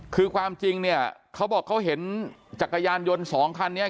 คือความจริงเนี่ยเขาบอกเขาเห็นจักรยานยนต์สองคันนี้